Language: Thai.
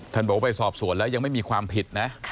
ท่านบอกไปสอบสวนและยังไม่มีความผิดนะ